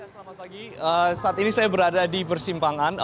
selamat pagi saat ini saya berada di persimpangan